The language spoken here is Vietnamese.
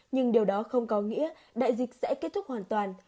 nhưng điều đó không có nghĩa đại dịch sẽ kết thúc hoàn toàn